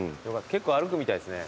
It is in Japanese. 結構歩くみたいですね。